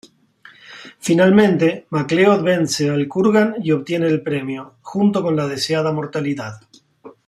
Finalmente, MacLeod vence al Kurgan y obtiene el Premio, junto con la deseada mortalidad.